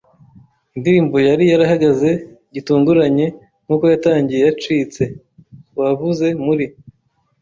Indirimbo yari yarahagaze gitunguranye nkuko yatangiye - yacitse, wavuze, muri